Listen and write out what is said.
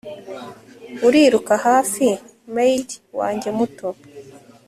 uriruka hafi, maid wanjye muto